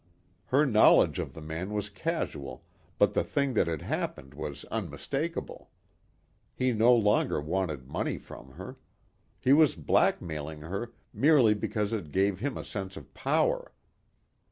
Her knowledge of the man was casual but the thing that had happened was unmistakable. He no longer wanted money from her. He was blackmailing her merely because it gave him a sense of power.